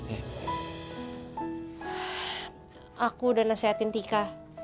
aku udah nasehatin tika